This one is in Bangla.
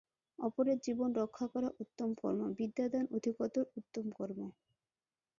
অপরের জীবন রক্ষা করা উত্তম কর্ম, বিদ্যাদান অধিকতর উত্তম কর্ম।